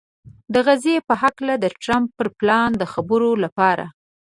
د غزې په هکله د ټرمپ پر پلان د خبرو لپاره